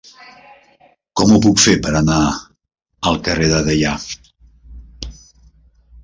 Com ho puc fer per anar al carrer de Deià?